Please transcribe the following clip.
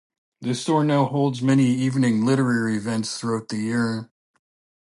The store now also holds many evening literary events throughout the year.